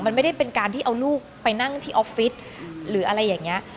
มันไม่ได้เป็นการที่เอาลูกไปนั่งที่ออฟฟิศหรืออะไรอย่างนี้